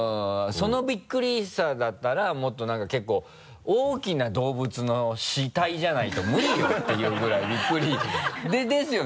そのビックリさだったらもっとなんか結構大きな動物の死体じゃないと無理よていうぐらいビックリですよね？